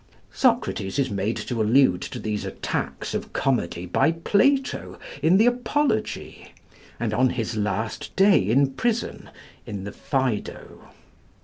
Socrates is made to allude to these attacks of comedy by Plato in the 'Apology,' and, on his last day in prison, in the 'Phædo.'